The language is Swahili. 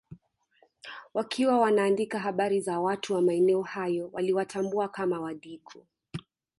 Wakiwa wanaandika habari za watu wa maeneo hayo waliwatambua kama Wadigo